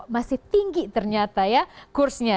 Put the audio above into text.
masih tinggi ternyata ya kursnya